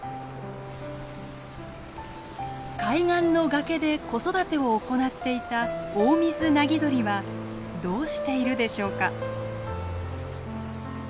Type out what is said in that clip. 海岸の崖で子育てを行っていたオオミズナギドリはどうしているでしょうか。